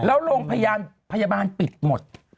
แล้วโรงพยาบาลปิดหมด